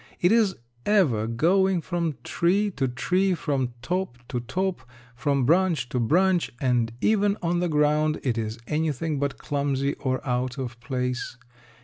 It is ever going from tree to tree, from top to top, from branch to branch; and even on the ground it is anything but clumsy or out of place.